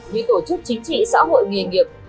như tổ chức chính trị xã hội nghề nghiệp